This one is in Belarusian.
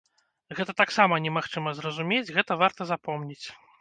Гэта таксама немагчыма зразумець, гэта варта запомніць.